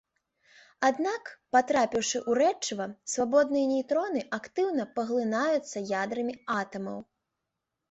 Аднак, патрапіўшы ў рэчыва, свабодныя нейтроны актыўна паглынаюцца ядрамі атамаў.